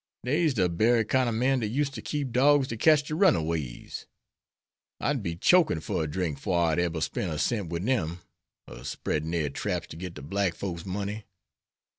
Deys de bery kine ob men dat used ter keep dorgs to ketch de runaways. I'd be chokin' fer a drink 'fore I'd eber spen' a cent wid dem, a spreadin' dere traps to git de black folks' money.